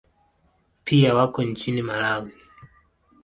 Pia wako nchini Malawi.